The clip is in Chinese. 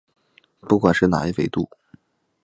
不管是属哪一纬度。